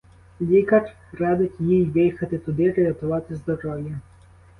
Лікар радить їй виїхати туди рятувати здоров'я.